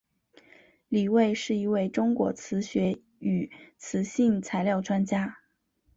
李卫是一位中国磁学与磁性材料专家。